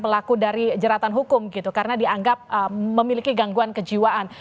pelaku dari jeratan hukum gitu karena dianggap memiliki gangguan kejiwaan